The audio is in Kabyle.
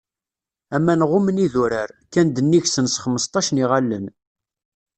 Aman ɣummen idurar, kkan-d nnig-sen s xemseṭṭac n iɣallen.